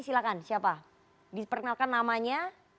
silahkan siapa diperkenalkan namanya